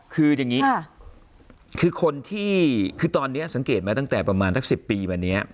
คืออย่างนี้คือคนที่คือตอนนี้สังเกตไหมตั้งแต่ประมาณสัก๑๐ปีมาเนี่ย